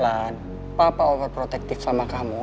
lah papa overprotective sama kamu